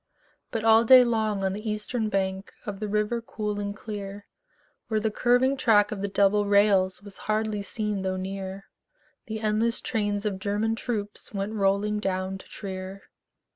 But all day long on the eastern bank Of the river cool and clear, Where the curving track of the double rails Was hardly seen though near, The endless trains of German troops Went rolling down to Trier.